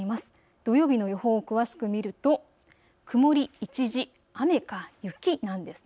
土曜日の予報を詳しく見ると曇り一時、雨か雪なんですね。